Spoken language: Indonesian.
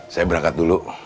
saya berangkat dulu